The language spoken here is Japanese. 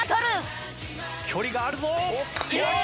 距離があるぞ。